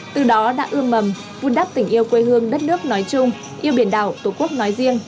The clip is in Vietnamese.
từ đó đã ưm mầm vun đắp tình yêu quê hương đất nước nói chung yêu biển đảo tổ quốc nói riêng